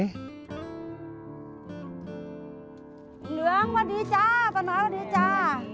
เหลืองสวัสดีจ้าป้าน้อยสวัสดีจ้า